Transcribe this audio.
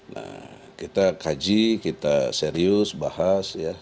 nah kita kaji kita serius bahas ya